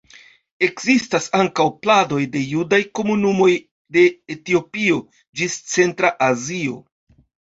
Ekzistas ankaŭ pladoj de judaj komunumoj de Etiopio ĝis Centra Azio.